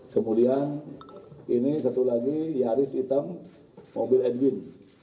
kemudian ini satu lagi nyaris hitam mobil edwin